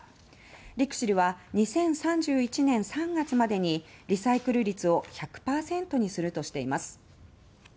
リクシルは２０３１年３月までにリサイクル率を１００％にするとしています。